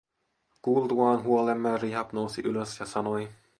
Kuultuaan huolemme Rihab nousi ylös ja sanoi: